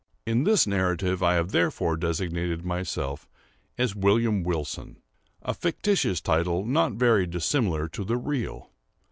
In this narrative I have therefore designated myself as William Wilson,—a fictitious title not very dissimilar to the real.